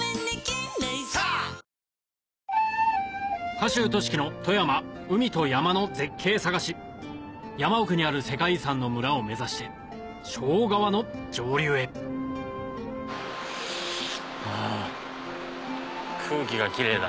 賀集利樹の富山海と山の絶景探し山奥にある世界遺産の村を目指して庄川の上流へ空気がキレイだ。